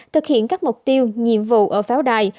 thực hiện các mục tiêu nhiệm vụ ở pháo đài